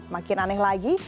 makin aneh lagi